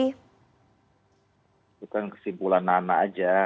itu kan kesimpulan nana aja